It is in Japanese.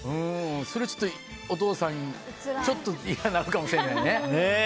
それは、お父さんちょっと嫌になるかもしれないね。